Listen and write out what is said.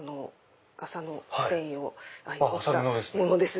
麻の繊維を織ったものです。